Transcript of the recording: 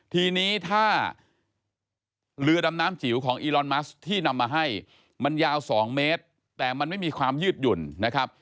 ทีนี้ถ้าเรือดำน้ำจิ๋วของอีลอนมัสที่นำมาให้มันยาว๒เมตรแต่มันไม่มีความยืดหยุ่นนะครับ